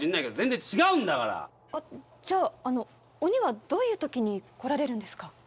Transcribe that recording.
じゃあ鬼はどういうときに来られるんですか？